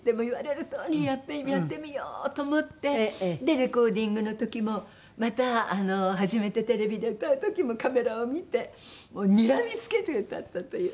レコーディングの時もまた初めてテレビで歌う時もカメラを見てもうにらみつけて歌ったという。